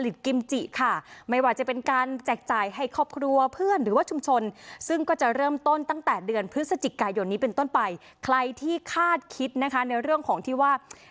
ตอนนี้เป็นต้นไปใครที่คาดคิดนะคะในเรื่องของที่ว่า